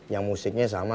yang musiknya sama